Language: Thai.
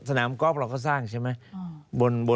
สนามก๊อบเราก็สร้างใช่ไหม